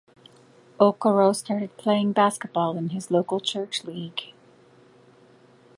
Okoro started playing basketball in his local church league.